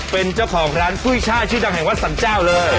เป็นเจ้าของร้านกุ้ยช่ายชื่อดังแห่งวัดสรรเจ้าเลย